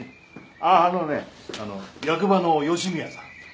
あっあのね役場の吉宮さん。